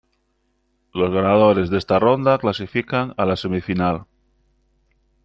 Los ganadores de esta ronda clasifican a la semifinal.